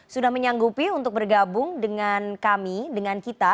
sudah menyanggupi untuk bergabung dengan kami dengan kita